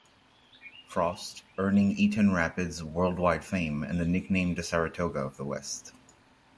Frost, earning Eaton Rapids worldwide fame and the nickname The Saratoga of the West.